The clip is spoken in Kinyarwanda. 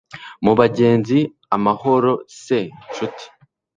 mu bagenzi, amahoro se ncuti